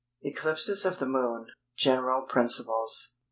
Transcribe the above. ECLIPSES OF THE MOON—GENERAL PRINCIPLES.